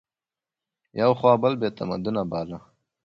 یوه خوا بل بې تمدنه باله